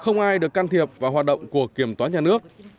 không ai được can thiệp vào hoạt động của kiểm toán nhà nước